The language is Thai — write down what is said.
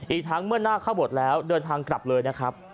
อีกทั้งเมื่อหน้าเข้าบทแล้วเดินทางกลับเลยนะครับ